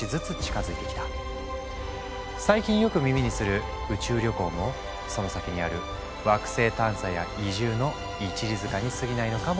最近よく耳にする宇宙旅行もその先にある惑星探査や移住の一里塚にすぎないのかもしれない。